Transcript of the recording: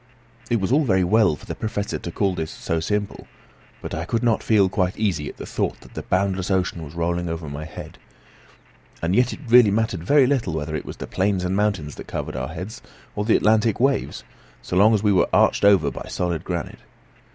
It was all very well for the Professor to call this so simple, but I could not feel quite easy at the thought that the boundless ocean was rolling over my head. And yet it really mattered very little whether it was the plains and mountains that covered our heads, or the Atlantic waves, as long as we were arched over by solid granite.